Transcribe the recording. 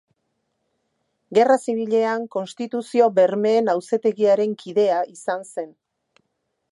Gerra Zibilean Konstituzio-bermeen Auzitegiaren kidea izan zen.